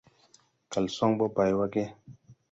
Kalsoŋ ɓɔ bay wa ge ?